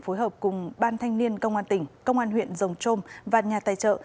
phối hợp cùng ban thanh niên công an tỉnh công an huyện rồng trôm và nhà tài trợ